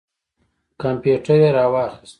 کمپیوټر یې را واخیست.